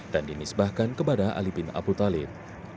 dan dinisbahkan kepada ali bin abu talib